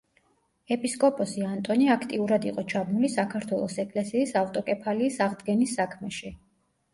ეპისკოპოსი ანტონი აქტიურად იყო ჩაბმული საქართველოს ეკლესიის ავტოკეფალიის აღდგენის საქმეში.